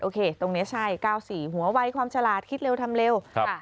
ตรงนี้ใช่๙๔หัววัยความฉลาดคิดเร็วทำเร็ว